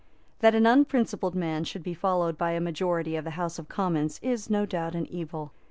That an unprincipled man should be followed by a majority of the House of Commons is no doubt an evil.